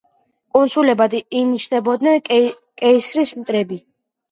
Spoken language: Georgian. კონსულებად ინიშნებოდნენ კეისრის მტრები.